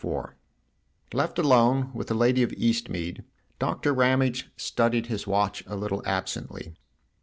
IV LEFT alone with the lady of Eastmead, Doctor Ramage studied his watch a little absently.